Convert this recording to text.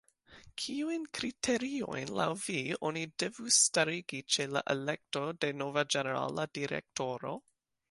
Kiujn kriteriojn laŭ vi oni devus starigi ĉe la elekto de nova ĝenerala direktoro?